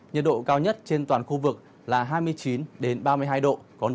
nhiệt độ cao nhất trên toàn khu vực là hai mươi chín ba mươi hai độ